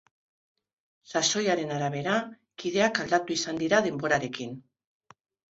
Sasoiaren arabera, kideak aldatu izan dira denborarekin.